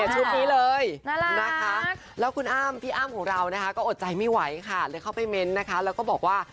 ชุดนี้เลยนะคะแล้วพี่อ้ามของเราก็อดใจไม่ไหวค่ะเลยเข้าไปเมนต์แล้วก็บอกว่า